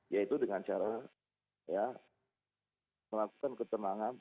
yaitu dengan cara melakukan ketenangan